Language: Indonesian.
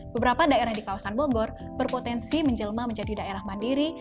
beberapa daerah di kawasan bogor berpotensi menjelma menjadi daerah mandiri